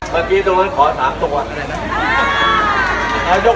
ไม่ได้ครับ